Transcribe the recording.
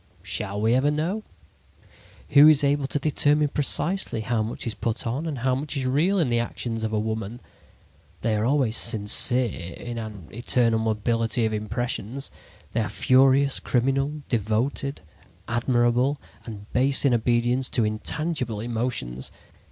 Shall we ever know? Who is able to determine precisely how much is put on and how much is real in the actions of a woman? They are always sincere in an eternal mobility of impressions. They are furious, criminal, devoted, admirable and base in obedience to intangible emotions.